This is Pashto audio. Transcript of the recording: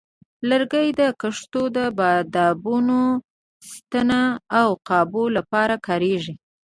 لرګي د کښتو د بادبانو، ستنو، او قابو لپاره کارېږي.